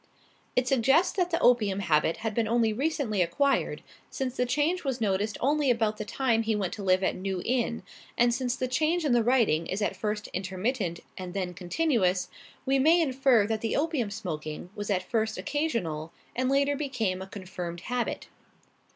"It suggests that the opium habit had been only recently acquired, since the change was noticed only about the time he went to live at New Inn; and, since the change in the writing is at first intermittent and then continuous, we may infer that the opium smoking was at first occasional and later became a a confirmed habit."